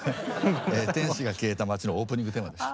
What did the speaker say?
「天使が消えた街」のオープニングテーマでした。